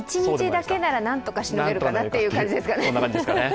１日だけなら、なんとかしのげるかなという感じですかね。